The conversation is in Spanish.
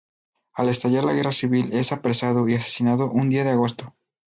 Al estallar la guerra civil, es apresado y asesinado un día de agosto.